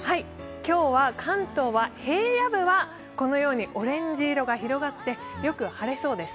今日は関東は平野部はこのようにオレンジ色が広がってよく晴れそうです。